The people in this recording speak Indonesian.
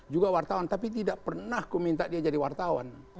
juga wartawan tapi tidak pernah kuminta dia jadi wartawan